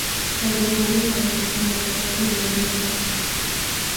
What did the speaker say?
پابندي غرونه د افغانستان د اقتصادي منابعو ارزښت زیاتوي.